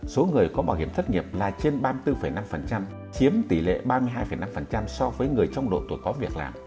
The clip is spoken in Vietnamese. số người có bảo hiểm thất nghiệp là trên ba mươi bốn năm chiếm tỷ lệ ba mươi hai năm so với người trong độ tuổi có việc làm